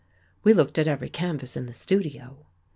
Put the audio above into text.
We looked at every canvas in the studio.